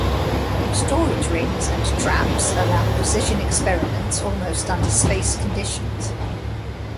Storage rings and traps allow precision experiments almost under space conditions.